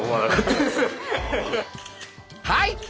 はい！